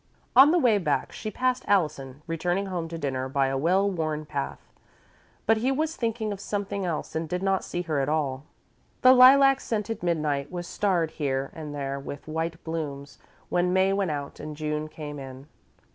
On the way back, she passed Allison, returning home to dinner by a well worn path, but he was thinking of something else and did not see her at all. The lilac scented midnight was starred here and there with white blooms when May went out and June came in.